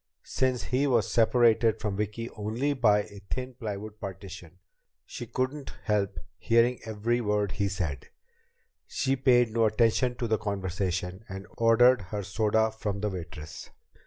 Since he was separated from Vicki only by a thin plywood partition, she couldn't help hearing every word he said. She paid no attention to the conversation, and ordered her soda from the waitress.